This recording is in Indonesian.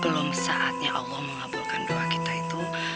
belum saatnya allah mengabulkan doa kita itu